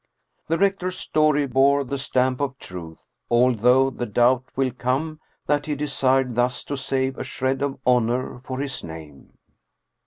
The rector's story bore the stamp of truth, although the doubt will come that he desired thus to save a shred of honor for his name.